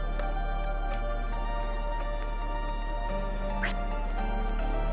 はい。